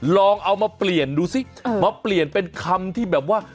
ลองเอามาเปลี่ยนดูสิมาเปลี่ยนเป็นคำที่แบบว่า